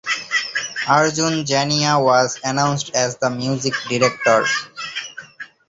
Arjun Janya was announced as the music director.